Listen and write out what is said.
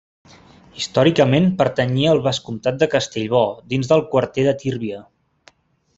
Històricament pertanyia al vescomtat de Castellbò, dins del quarter de Tírvia.